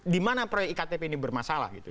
di mana proyek iktp ini bermasalah gitu